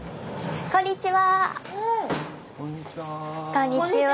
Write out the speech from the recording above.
こんにちは。